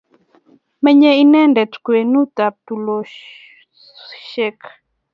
Menye inendet kwenut ap tulwoshek.